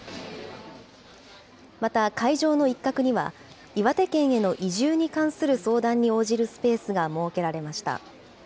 また、会場の一角には、岩手県への移住に関する相談に応じるスペースが設けられました。